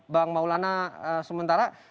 bang maulana sementara